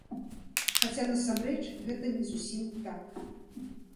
Хаця насамрэч гэта не зусім так.